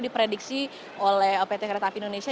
diprediksi oleh pt kereta api indonesia